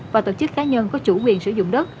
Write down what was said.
và tổ chức cá nhân có chủ quyền sử dụng đất